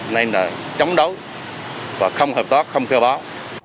nên là chống đấu và không hợp tác không khai báo